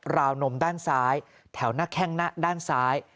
วนมด้านซ้ายแถวหน้าแข้งหน้าด้านซ้าย